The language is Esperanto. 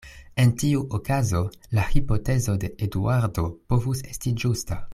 En tiu okazo la hipotezo de Eduardo povus esti ĝusta.